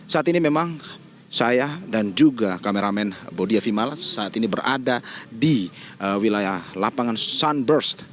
saat ini memang saya dan juga kameramen bodia vimales saat ini berada di wilayah lapangan sunburst